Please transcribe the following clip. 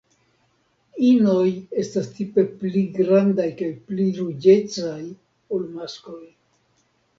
Inoj estas tipe pli grandaj kaj pli ruĝecaj ol maskloj.